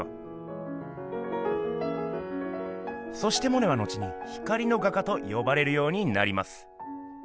そしてモネは後に「光の画家」と呼ばれるようになります。